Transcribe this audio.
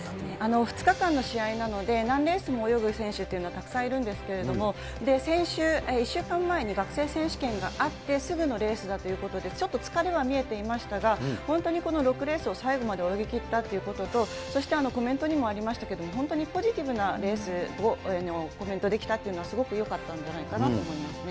２日間の試合なので、何レースも泳ぐ選手というのはたくさんいるんですけれども、先週、１週間前に学生選手権があってすぐのレースだということで、ちょっと疲れは見えていましたが、本当にこの６レースを最後まで泳ぎきったということと、そしてコメントにもありましたけれども、本当にポジティブなレース、コメントできたというのは、すごくよかったんじゃないかなと思いますね。